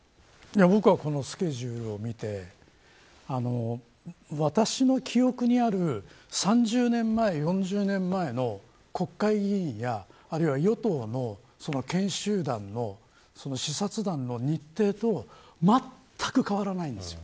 僕は、このスケジュールを見て私の記憶にある３０年前、４０年前の国会議員やあるいは与党の研修団の視察団の日程とまったく変わらないんです。